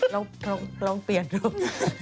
เราเปลี่ยนด้วย